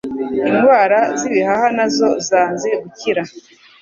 indwara z'ibihaha nazo zanze gukira